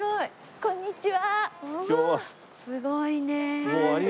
こんにちは。